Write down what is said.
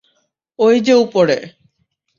ঐ যে উপরে।